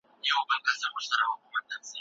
ایا پام تجربو ته اړول کیږي؟